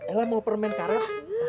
elah mau permen karet